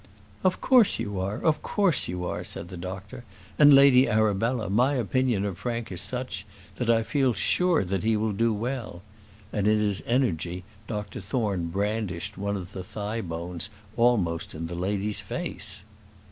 "Of course you are; of course you are," said the doctor; "and, Lady Arabella, my opinion of Frank is such, that I feel sure that he will do well;" and, in his energy, Dr Thorne brandished one of the thigh bones almost in the lady's face.